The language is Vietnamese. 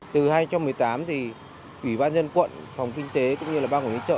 từ hai nghìn một mươi tám thì ủy ban nhân quận phòng kinh tế cũng như ban quản lý chợ